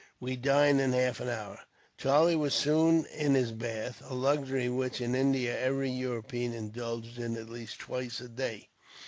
We dine in half an hour." Charlie was soon in his bath, a luxury which, in India, every European indulges in at least twice a day.